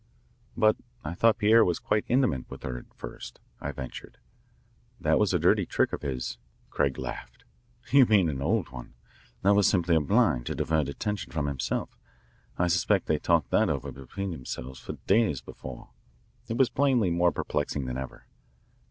"But I thought Pierre was quite intimate with her at first," I ventured. "That was a dirty trick of his." Craig laughed. "You mean an old one. That was simply a blind, to divert attention from himself. I suspect they talked that over between themselves for days before." It was plainly more perplexing than ever.